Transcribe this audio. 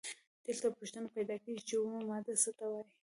دلته پوښتنه پیدا کیږي چې اومه ماده څه ته وايي؟